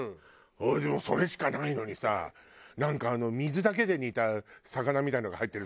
でもそれしかないのにさなんか水だけで煮た魚みたいなのが入ってる時とかさ。